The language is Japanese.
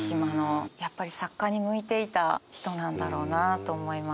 やっぱり作家に向いていた人なんだろうなと思います。